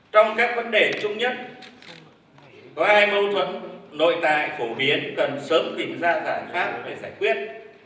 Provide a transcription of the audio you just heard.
trong các vấn đề chung nhất có hai mâu thuẫn nội tại phổ biến cần sớm tìm ra giải pháp để giải quyết